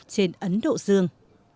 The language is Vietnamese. trên ấn độ dương